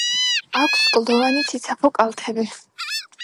აქვს კლდოვანი ციცაბო კალთები.